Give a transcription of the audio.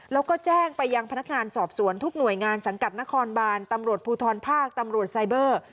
แล้วก็แจ้งไปยังพนักงานสอบสวนทุกหน่วยงานสังกัดนครบานตำรวจภูทรภาคตำรวจไซเบอร์